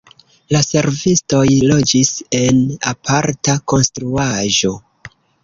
La servistoj loĝis en aparta konstruaĵo.